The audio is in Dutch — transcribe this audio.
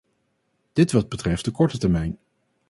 Dit wat betreft de korte termijn.